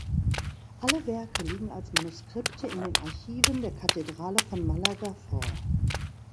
Alle Werke liegen als Manuskripte in den Archiven der Kathedrale von Malaga vor.